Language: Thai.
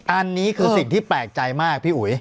อันนี้คือสิ่งที่แปลกใจมากพี่อุ๋ย